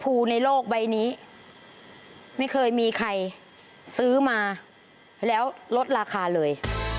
ในโลกใบนี้ไม่เคยมีใครซื้อมาแล้วลดราคาเลย